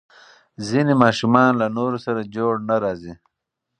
ځینې ماشومان له نورو سره جوړ نه راځي.